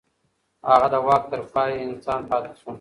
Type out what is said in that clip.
هغه د واک تر پای انسان پاتې شو.